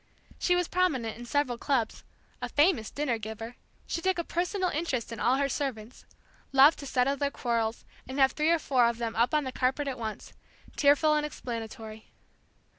She was prominent in several clubs, a famous dinner giver, she took a personal interest in all her servants, loved to settle their quarrels and have three or four of them up on the carpet at once, tearful and explanatory.